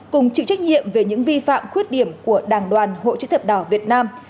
cùng chịu trách nhiệm về những vi phạm khuyết điểm của đảng đoàn hội chữ thập đỏ việt nam